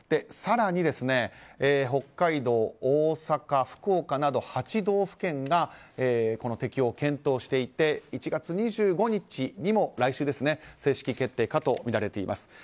更に、北海道、大阪、福岡など８道府県がこの適用を検討していて来週、１月２５日にも正式決定とみられています。